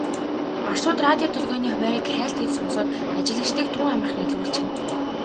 Оросууд радио долгионы хуваарийг хайлт хийж сонсоод ажиглагчдыг тун амархан илрүүлчихнэ.